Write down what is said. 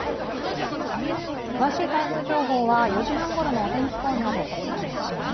詳しい台風情報は４時半ごろのお天気コーナーでお伝えします。